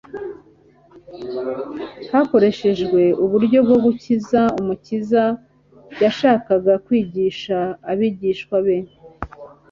hakoresheje uburyo bwo gukiza, Umukiza yashakaga kwigisha abigishwa be.